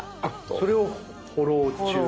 それをフォロー中。